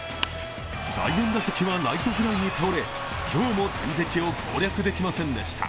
第４打席はライトフライに倒れ、今日も天敵を攻略できませんでした。